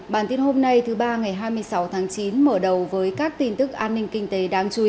bản tin hôm nay thứ ba ngày hai mươi sáu tháng chín mở đầu với các tin tức an ninh kinh tế đáng chú ý